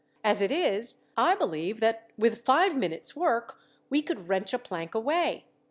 As it is, I believe that with five minutes' work we could wrench a plank away.